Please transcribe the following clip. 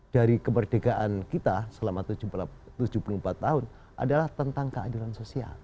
dari kemerdekaan kita selama tujuh puluh empat tahun adalah tentang keadilan sosial